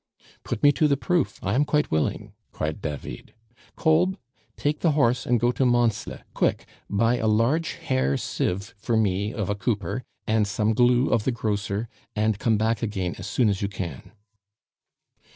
"Put me to the proof, I am quite willing," cried David. "Kolb! take the horse and go to Mansle, quick, buy a large hair sieve for me of a cooper, and some glue of the grocer, and come back again as soon as you can."